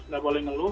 gak boleh ngeluh